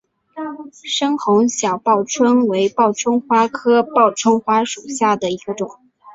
深红小报春为报春花科报春花属下的一个种。